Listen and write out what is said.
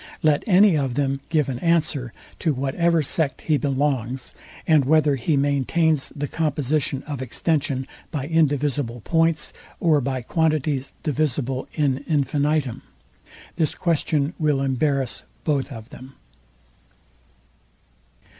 Let any of them give an answer, to whatever sect he belongs, and whether he maintains the composition of extension by indivisible points, or by quantities divisible in infinitum. This question will embarrass both of them.